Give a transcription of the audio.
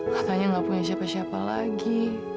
katanya nggak punya siapa siapa lagi